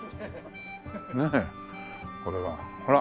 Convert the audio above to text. ねえこれは。ほら。